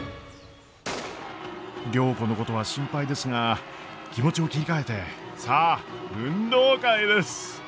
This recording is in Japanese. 良子のことは心配ですが気持ちを切り替えてさあ運動会です！